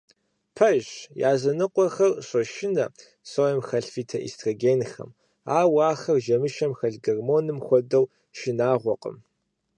Пэжщ, языныкъуэхэр щошынэ соем хэлъ фитоэстрогеным, ауэ ахэр жэмышэм хэлъ гормоным хуэдэу шынагъуэкъым.